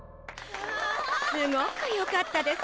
すごくよかったです！